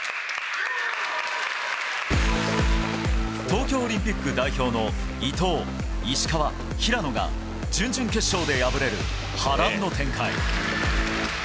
東京オリンピック代表の伊藤、石川、平野が準々決勝で敗れる波乱の展開。